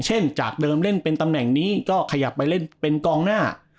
จากเดิมเล่นเป็นตำแหน่งนี้ก็ขยับไปเล่นเป็นกองหน้า